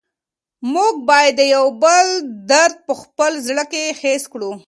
موږ باید د یو بل درد په خپل زړه کې حس کړو.